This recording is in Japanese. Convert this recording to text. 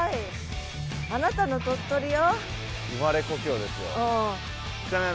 あなたの鳥取よ。